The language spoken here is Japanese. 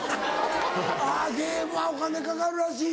あぁゲームはお金かかるらしいな。